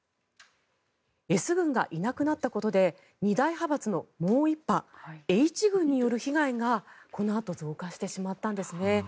Ｓ群がいなくなったことで二大派閥のもう１派Ｈ群による被害がこのあと増加してしまったんですね。